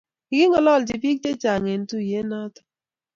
kikingololchi pik che chang en tuyet noton